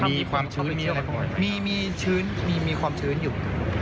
มีความชื้นเลี้ยงแค่ไหนค่ะมีความชื้นมีมีมีความชื้นอยู่